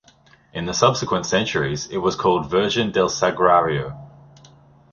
In the subsequent centuries, it was called Virgen del Sagrario.